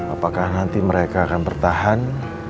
apakah nanti mereka akan bertahan